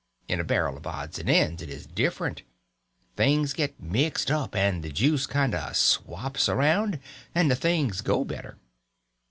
In a barrel of odds and ends it is different; things get mixed up, and the juice kind of swaps around, and the things go better.